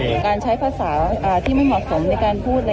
การใช้ภาษาที่ไม่เหมาะสมในการพูด